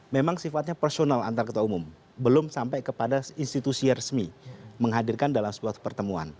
memang sifatnya personal antar ketua umum belum sampai kepada institusi resmi menghadirkan dalam sebuah pertemuan